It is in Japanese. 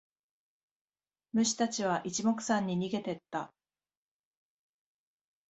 虫たちは一目散に逃げてった。